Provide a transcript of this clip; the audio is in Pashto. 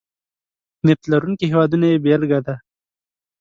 نفت لرونکي هېوادونه یې بېلګه ده.